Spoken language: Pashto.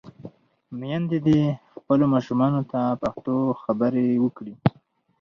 میندې دې خپلو ماشومانو ته پښتو خبرې وکړي.